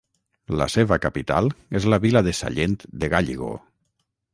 La seva capital és la vila de Sallent de Gállego.